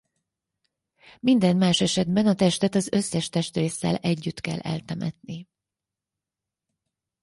Minden más esetben a testet az összes testrésszel együtt kell eltemetni.